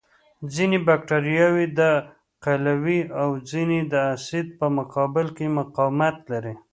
ځینې بکټریاوې د قلوي او ځینې د اسید په مقابل کې مقاومت لري.